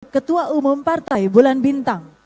ketua umum partai bulan bintang